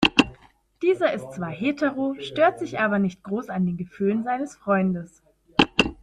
Dieser ist zwar hetero, stört sich aber nicht groß an den Gefühlen seines Freundes.